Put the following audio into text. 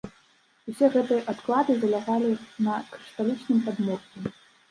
Усе гэтыя адклады залягалі на крышталічным падмурку.